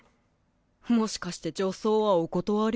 もしかして女装はお断り？